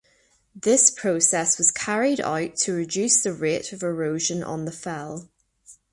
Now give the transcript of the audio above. This process was carried out to reduce the rate of erosion on the fell.